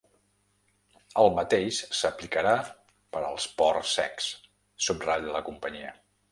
“El mateix s’aplicarà per als ports secs”, subratlla la companyia.